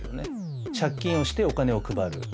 借金をしてお金を配る。